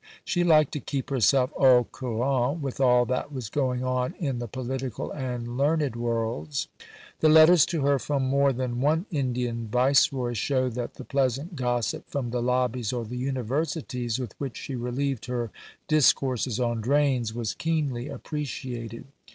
She liked to keep herself au courant with all that was going on in the political and learned worlds. The letters to her from more than one Indian Viceroy show that the pleasant gossip from the lobbies or the Universities, with which she relieved her discourses on drains, was keenly appreciated.